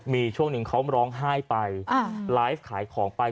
มีช่วงหนึ่งเขาร้องไห้ไปไลฟ์ขายของไป